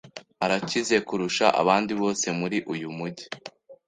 Arakize kurusha abandi bose muri uyu mujyi.